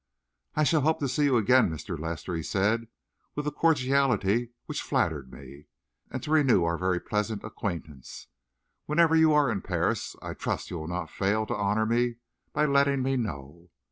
"I shall hope to see you again, Mr. Lester," he said, with a cordiality which flattered me, "and to renew our very pleasant acquaintance. Whenever you are in Paris, I trust you will not fail to honour me by letting me know.